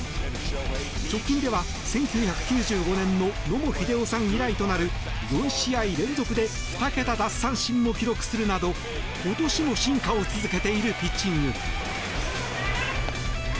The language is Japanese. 直近では１９９５年の野茂英雄さん以来となる４試合連続で２桁奪三振も記録するなど今年も進化を続けているピッチング。